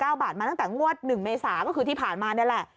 ขายใบละ๗๙บาทมาตั้งแต่งวด๑เมษาก็คือที่ผ่านมาเนี่ยแหละ